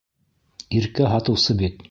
Иркә һатыусы бит.